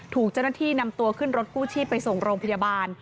ถูกเจ้าหน้าที่นำตัวขึ้นรถกู้ชีพไปส่งโรงพยาบาล